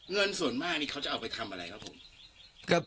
เงินส่วนมากนี่เขาจะเอาไปทำอะไรครับผม